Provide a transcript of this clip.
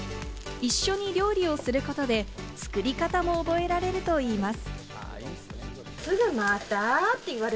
一緒に料理をすることで、作り方も覚えられるといいます。